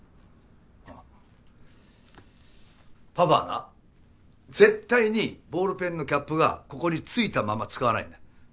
パパはな絶対にボールペンのキャップがここについたまま使わないんだ。